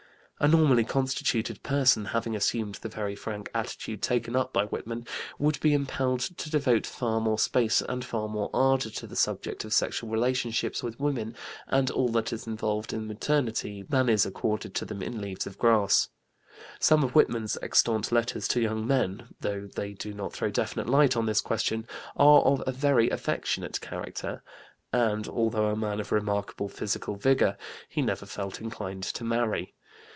A normally constituted person, having assumed the very frank attitude taken up by Whitman, would be impelled to devote far more space and far more ardor to the subject of sexual relationships with women and all that is involved in maternity than is accorded to them in Leaves of Grass. Some of Whitman's extant letters to young men, though they do not throw definite light on this question, are of a very affectionate character, and, although a man of remarkable physical vigor, he never felt inclined to marry.